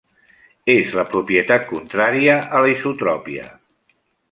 És la propietat contrària a la isotropia.